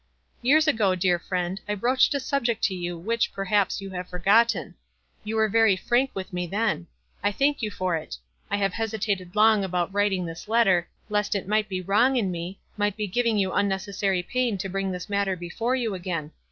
"Years ago, dear friend, I broached a subject to yon which, perhaps, you have forgotten. You were very frank with me then. I thank you for it. I have hesitated long about writing this letter, lest it might be wrong in me, might be giving you unnecessaiy pain to bring this matter before you again.